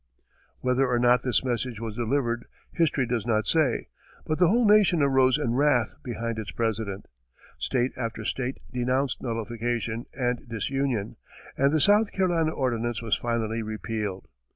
Whether or not this message was delivered history does not say, but the whole Nation arose in wrath behind its President, state after state denounced nullification and disunion, and the South Carolina ordinance was finally repealed.